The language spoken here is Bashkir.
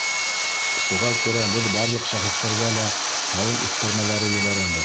Шуға күрә беҙ барлыҡ шәхестәргә лә һалым иҫкәрмәләре ебәрәбеҙ.